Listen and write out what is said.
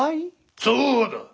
そうだ！